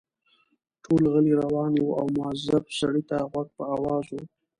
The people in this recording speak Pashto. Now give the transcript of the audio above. ټول غلي روان وو او مؤظف سړي ته غوږ په آواز وو.